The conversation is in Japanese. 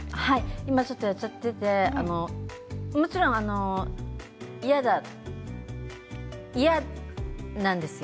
今ちょっとやっちゃっていて、もちろん嫌なんですよ。